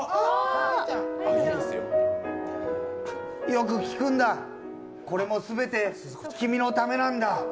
よく聞くんだ、これも全て君のためなんだ。